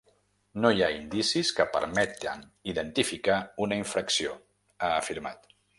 “No hi ha indicis que permeten identificar una infracció”, ha afirmat.